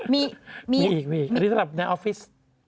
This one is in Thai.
มีมีอีกมีอันนี้สำหรับในออฟฟิศ